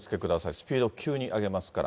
スピード、急に上げますから。